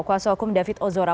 kuasa hukum david ozora